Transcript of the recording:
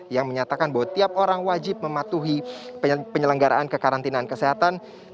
yang menyatakan bahwa tiap orang wajib mematuhi penyelenggaraan kekarantinaan kesehatan